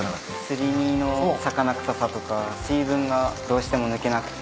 すり身の魚臭さとか水分がどうしても抜けなくて。